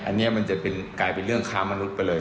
อันนี้มันจะกลายเป็นเรื่องค้ามนุษย์ไปเลย